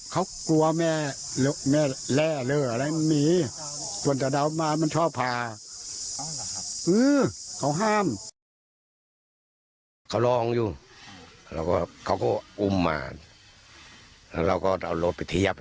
เขาก็อุ่มมาแล้วเราก็เอารถไปเทียบ